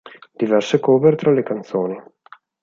Diverse cover tra le canzoni.